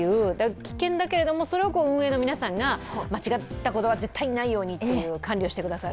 危険だけど、それを運営の皆さんが間違ったことがないようにと管理をしてくださる。